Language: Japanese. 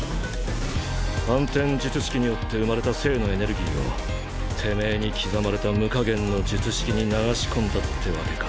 反転術式によって生まれた正のエネルギーをてめぇに刻まれた無下限の術式に流し込んだってわけか。